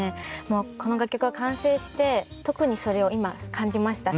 もうこの楽曲が完成して特にそれを今感じました